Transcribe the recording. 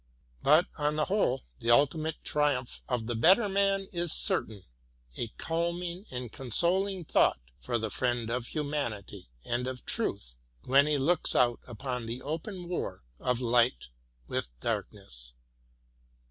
But on the whole, the ultimate triumph of the better man is certain :— a calming and consoling thought for the friend of humanity and of truth when he looks out upon the open war of light with darkness.